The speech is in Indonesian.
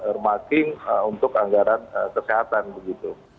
earmarking untuk anggaran kesehatan begitu